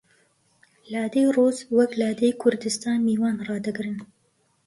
لادێی ڕووس وەک لادێی کوردستان میوان ڕادەگرن